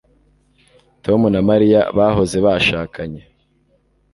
Tom na Mariya bahoze bashakanye